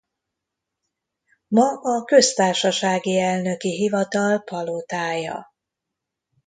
Ma a köztársasági elnöki hivatal palotája.